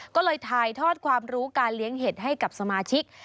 ก็เลยถ่ายทอดความรู้การเลี้ยงเห็ดให้กับสมาชิก